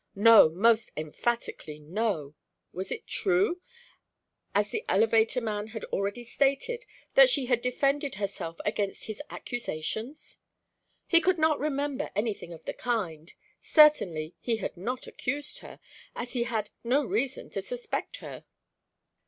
No, most emphatically no. Was it true, as the elevator man had already stated, that she had defended herself against his accusations? He could not remember anything of the kind; certainly he had not accused her, as he had no reason to suspect her.